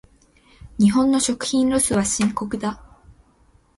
日本の食品ロスは深刻だ。